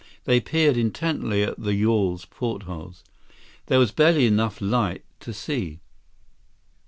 They peered intently at the yawl's portholes. There was barely enough light to see.